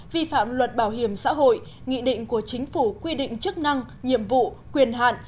vi phạm luật bảo hiểm xã hội nghị định của chính phủ quy định chức năng nhiệm vụ quyền hạn